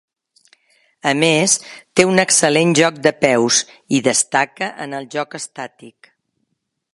A més té un excel·lent joc de peus, i destaca en el joc estàtic.